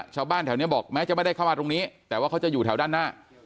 ชาวบ้านแถวนี้บอกแม้จะไม่ได้เข้ามาตรงนี้แต่ว่าเขาจะอยู่แถวด้านหน้า